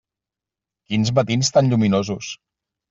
Quins matins tan lluminosos.